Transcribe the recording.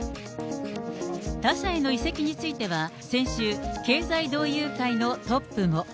他社への移籍については先週、経済同友会のトップも。